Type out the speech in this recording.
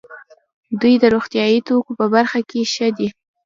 دوی د روغتیايي توکو په برخه کې ښه دي.